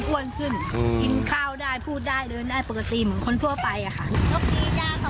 ขึ้นกินข้าวได้พูดได้เดินได้ปกติเหมือนคนทั่วไปอะค่ะ